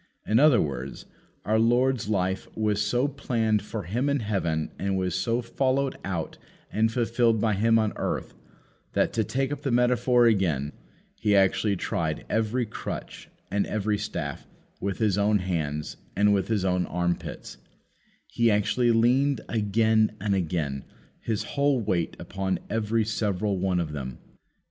In other words, our Lord's life was so planned for Him in heaven and was so followed out and fulfilled by Him on earth, that, to take up the metaphor again, He actually tried every crutch and every staff with His own hands and with His own armpits; He actually leaned again and again His own whole weight upon every several one of them.